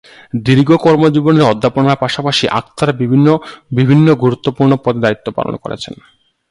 দীর্ঘ কর্মজীবনে অধ্যাপনার পাশাপাশি আখতার বিভিন্ন বিভিন্ন গুরুত্বপূর্ণ পদে দায়িত্ব পালন করেছেন।